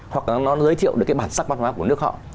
hoặc là nó giới thiệu được cái bản sắc văn hóa của nước họ